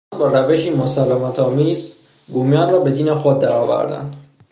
آنان با روشی مسالمتآمیز بومیان را به دین خود درآوردند.